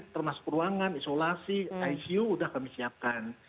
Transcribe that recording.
termasuk ruangan isolasi icu sudah kami siapkan